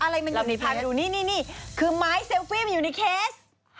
เรียบร้อยดูนี่คือไม้เซลฟี้มันอยู่ในเคส